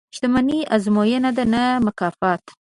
• شتمني ازموینه ده، نه مکافات.